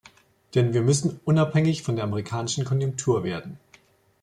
Denn wir müssen unabhängig von der amerikanischen Konjunktur werden.